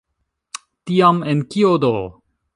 Tiam en kio do?